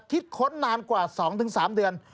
ค้นนานกว่า๒๓เดือน